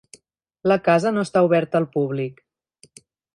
La casa no està oberta al públic.